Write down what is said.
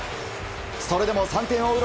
それでも３点を追う